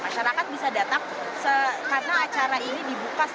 masyarakat bisa datang karena acara ini dibuka